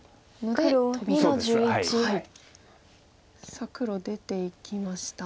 さあ黒出ていきました。